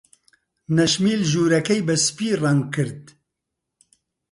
نەشمیل ژوورەکەی بە سپی ڕەنگ کرد.